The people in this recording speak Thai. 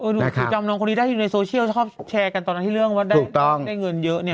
คือจำน้องคนนี้ได้อยู่ในโซเชียลชอบแชร์กันตอนนั้นที่เรื่องว่าได้เงินเยอะเนี่ย